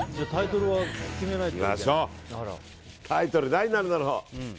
何になるんだろう。